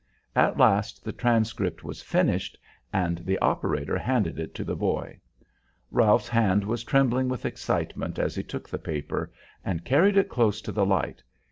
At last the transcript was finished, and the operator handed it to the boy. Ralph's hand was trembling with excitement as he took the paper and carried it close to the light.